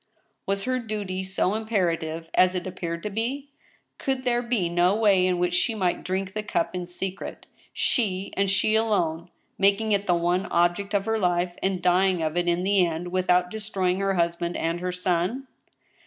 Was her duty so unperative as it appeared to be? Could there be no way in which she might drink the cup in secret — she — ^and she alone — ^making it the one object of her life, and dying of it in the end without destro)dng her husband and her son?